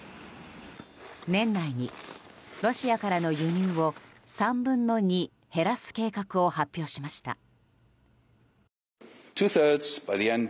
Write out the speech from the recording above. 年内に、ロシアからの輸入を３分の２減らす計画を発表しました。